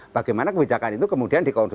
bagaimana kebijakan itu kemudian